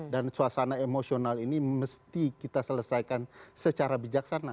dan suasana emosional ini mesti kita selesaikan secara bijaksana